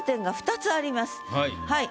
はい。